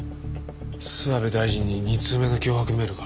諏訪部大臣に２通目の脅迫メールが。